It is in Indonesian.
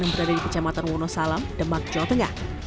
yang berada di kecamatan wonosalam demak jawa tengah